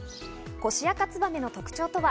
コシアカツバメの特徴とは？